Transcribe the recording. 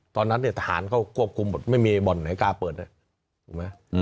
ตอนนั้นเนี่ยทหารก็ควบคุมหมดไม่มีบอลไหนกล้าเปิดนะฮะ